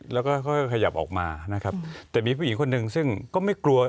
แล้วก็ค่อยขยับออกมานะครับแต่มีผู้หญิงคนหนึ่งซึ่งก็ไม่กลัว